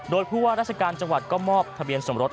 โดยผู้ว่าราชการจังหวัดก็มอบทะเบียนสมรส